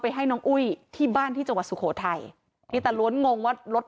ให้น้องอุ้ยที่บ้านที่จังหวัดสุโขทัยนี่ตาล้วนงงว่ารถ